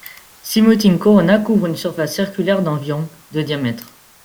Simoting Corona couvre une surface circulaire d'environ de diamètre.